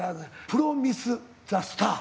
「プロミスザスター」。